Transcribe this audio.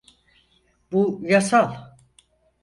Bu yasal.